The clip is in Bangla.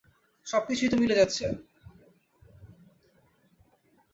সবকিছুই তো মিলে যাচ্ছে।